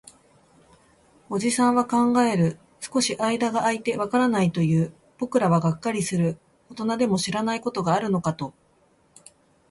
おじさんは考える。少し間が空いて、わからないと言う。僕らはがっかりする。大人でも知らないことがあるのかと。